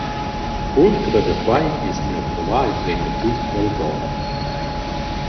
Ultra da quai es gnü approvà il rendaquint dal god.